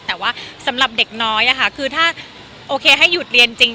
แต่ว่าสำหรับเด็กน้อยคือถ้าโอเคให้หยุดเรียนจริง